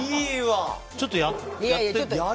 ちょっと、やって。